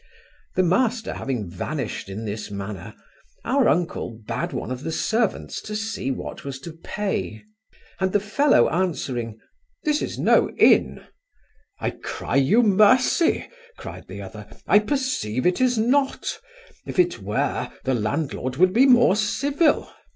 The master having vanished in this manner, our uncle bad one of the servants to see what was to pay; and the fellow answering, 'This is no inn,' 'I cry you mercy (cried the other), I perceive it is not; if it were, the landlord would be more civil.